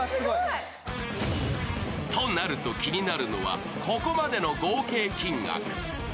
となると、気になるのはここまでの合計金額。